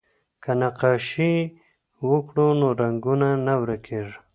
که نقاشي وکړو نو رنګونه نه ورکيږي.